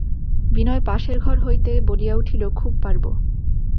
বিনয় পাশের ঘর হইতে বলিয়া উঠিল, খুব পারব।